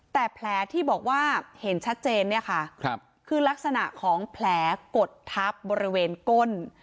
แต่แผลที่บอกว่าเห็นชัดเจนเนี่ยค่ะคือลักษณะของแผลกดทับบริเวณก้น